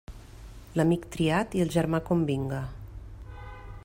L'amic triat i el germà com vinga.